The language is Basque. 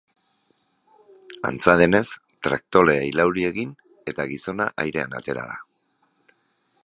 Antza denez, traktorea irauli egin eta gizona airean atera da.